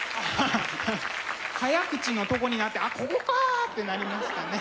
ハハ早口のとこになって「ああここか」ってなりましたね。